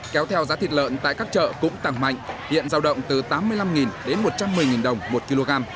kéo theo giá thịt lợn tại các chợ cũng tăng mạnh hiện giao động từ tám mươi năm đến một trăm một mươi đồng một kg